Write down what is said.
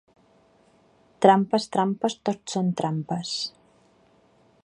“Trampes, trampes, tot són trampes”